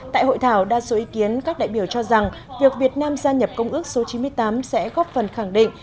tại hội thảo đa số ý kiến các đại biểu cho rằng việc việt nam gia nhập công ước số chín mươi tám sẽ góp phần khẳng định